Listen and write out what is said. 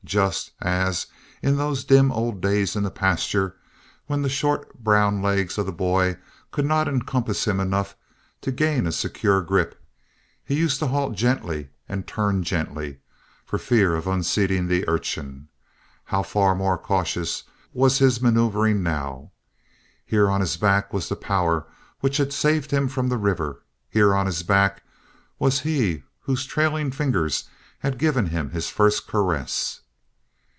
Just as, in those dim old days in the pasture, when the short brown legs of the boy could not encompass him enough to gain a secure grip, he used to halt gently, and turn gently, for fear of unseating the urchin. How far more cautious was his maneuvering now! Here on his back was the power which had saved him from the river. Here on his back was he whose trailing fingers had given him his first caress.